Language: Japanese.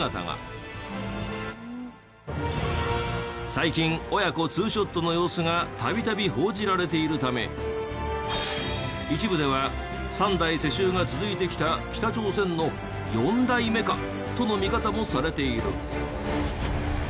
最近親子ツーショットの様子が度々報じられているため一部では３代世襲が続いてきた北朝鮮の４代目か？との見方もされている。